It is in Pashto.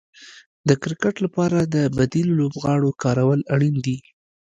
د کرکټ لپاره د بديلو لوبغاړو کارول اړين دي.